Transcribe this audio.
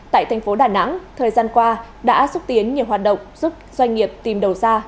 tại thành phố đà nẵng thời gian qua đã xúc tiến nhiều hoạt động giúp doanh nghiệp tìm đầu ra